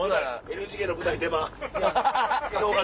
ＮＧＫの舞台出番正月。